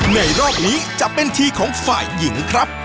ในรอบนี้จะเป็นทีของฝ่ายหญิงครับ